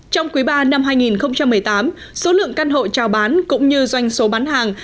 trong quý ba năm hai nghìn một mươi tám số lượng căn hộ trào bán cũng như doanh số bán hàng